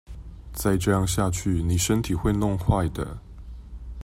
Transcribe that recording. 再這樣下去妳身體會弄壞的